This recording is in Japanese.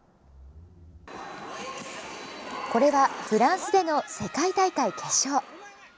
これは、フランスでの世界大会決勝。